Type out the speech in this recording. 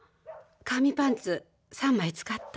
紙パンツ３枚使った？